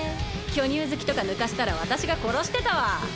巨乳好きとかぬかしたら私が殺してたわ。